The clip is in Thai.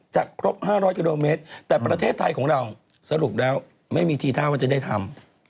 ครบ๕๐๐กิโลเมตรแต่ประเทศไทยของเราสรุปแล้วไม่มีทีท่าว่าจะได้ทำ